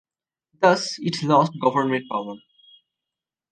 Thus it lost government power.